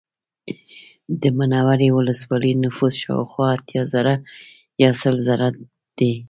د منورې ولسوالۍ نفوس شاوخوا اتیا زره یا سل زره دی